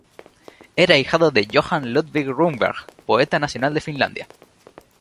Era ahijado de Johan Ludvig Runeberg, poeta nacional de Finlandia.